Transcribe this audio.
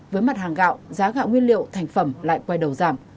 với mặt hàng gạo giá gạo nguyên liệu thành phẩm lại quay đầu giảm